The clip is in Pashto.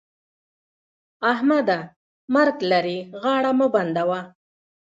احمده! مرګ لرې؛ غاړه مه بندوه.